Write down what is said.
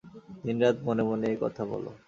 দিনরাত মনে মনে এ-কথা বল।